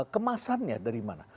kemasannya dari mana